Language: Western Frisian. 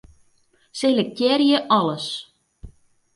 Selektearje alles.